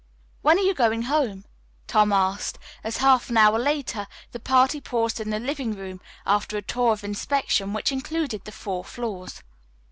"When are you going home?" Tom asked, as half an hour later, the party paused in the living room after a tour of inspection which included the four floors.